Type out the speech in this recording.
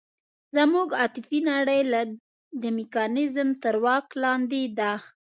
زموږ عاطفي نړۍ د میکانیزم تر واک لاندې ده.